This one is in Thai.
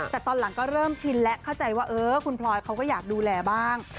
แต่ตอนหลังก็เริ่มชินและเข้าใจว่าเออคุณพลอยเขาก็อยากดูแลบ้าง